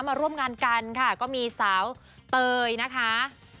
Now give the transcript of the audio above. มาร่วมงานกันค่ะก็มีสาวเตยนะคะ